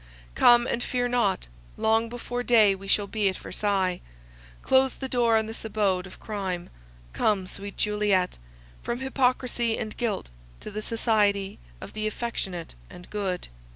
Come, and fear not; long before day we shall be at Versailles; close the door on this abode of crime —come, sweet Juliet, from hypocrisy and guilt to the society of the affectionate and good."